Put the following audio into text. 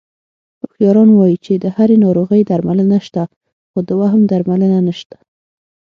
هوښیاران وایي چې د هرې ناروغۍ درملنه شته، خو د وهم درملنه نشته...